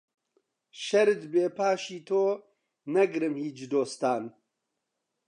شەرت بێ پاشی تۆ نەگرم هیچ دۆستان